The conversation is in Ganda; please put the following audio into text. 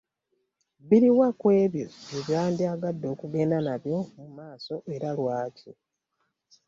Biriwa ku ebyo bye bandyagadde okugenda nabyo mu maaso, era lwaki?